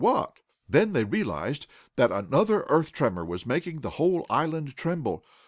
What ?" Then they realized that another earth tremor was making the whole island tremble.